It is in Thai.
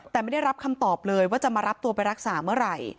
แต่ไม่ได้รับคำตอบเลยว่าจะมารับตัวไปรักษาเมื่อไหร่